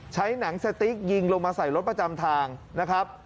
ใช้หนังสติ๊กยิงลงมาใส่รถประจำทางนะครับ